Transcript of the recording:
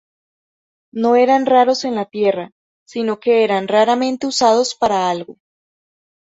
No eran raros en la Tierra, sino que eran raramente usados para algo.